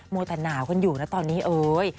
วัวแต่หนาวกันอยู่นะตอนนี้เอ้ย